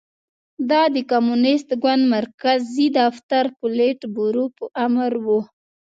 دا د کمونېست ګوند مرکزي دفتر پولیټ بورو په امر و